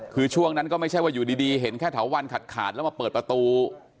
คือช่วงนั้นก็ไม่ใช่ว่าอยู่ดีเห็นแค่เถาวันขาดแล้วมาเปิดประตู